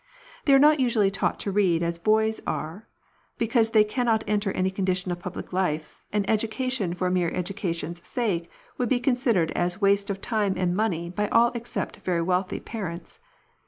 They are not usually taught to read as the boys are, because they cannot enter any condition of public life, and education for mere education's sake would be considered as waste of time and money by all except very wealthy parents.